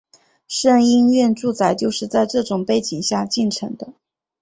胜因院住宅就是在这种背景下建成的。